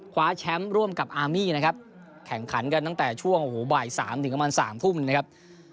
คว้าแชมป์ร่วมกับอาร์มี่นะครับแข่งขันกันตั้งแต่ช่วงโอ้โหบ่าย๓ถึงประมาณ๓ทุ่มนะครับ